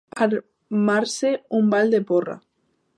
Armar-se un ball de porra.